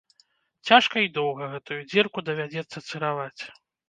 Цяжка і доўга гэтую дзірку давядзецца цыраваць.